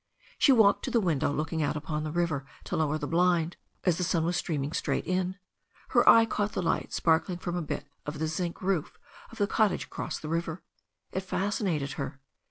She walked to the window looking out upon the river to lower the blind, as the sun was streaming straight in. Her eye caught the light sparking from a bit of the zinc roof of the cottage across the river. It fascinated her.